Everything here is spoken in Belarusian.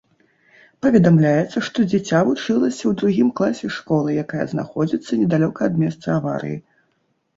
Паведамляецца, што дзіця вучылася ў другім класе школы, якая знаходзіцца недалёка ад месца аварыі.